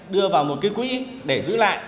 đưa vào một cái quỹ để giữ lại